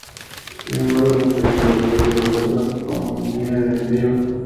Sin embargo, nunca llegó debido a una huelga en la compañía de envío.